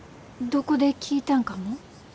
どこで聴いたんかも？